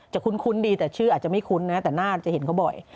จะคุ้นคุ้นดีแต่ชื่อมันจะไม่คุ้นแต่หน้าเราจะเห็นเขาบ่อย